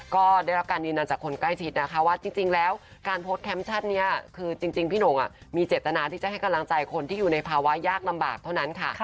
ก็ได้รับการยืนยันจากคนใกล้ชิดนะคะว่าจริงแล้วการโพสต์แคปชั่นนี้คือจริงพี่หน่งมีเจตนาที่จะให้กำลังใจคนที่อยู่ในภาวะยากลำบากเท่านั้นค่ะ